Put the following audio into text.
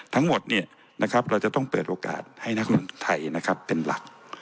ทั้งหมดเราจะต้องเปิดโอกาสให้นักลงทุนไทยนะครับเป็นหลัก